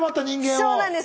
そうなんです。